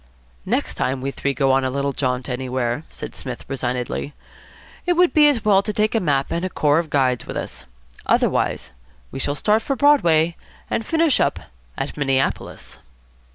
"Next time we three go on a little jaunt anywhere," said Psmith resignedly, "it would be as well to take a map and a corps of guides with us. Otherwise we shall start for Broadway and finish up at Minneapolis."